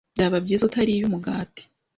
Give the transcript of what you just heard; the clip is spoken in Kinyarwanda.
Byaba byiza utariye umugati.